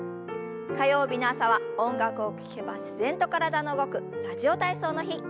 火曜日の朝は音楽を聞けば自然と体の動く「ラジオ体操」の日。